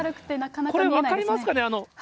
これ、分かりますかね。